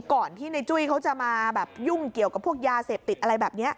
ก่อนที่ในจุ้ยเขาจะมาแบบยุ่งเกี่ยวกับพวกยาเสพติดอะไรแบบนี้